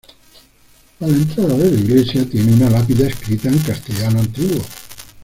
A la entrada de la Iglesia, tiene una lápida escrita en castellano antiguo.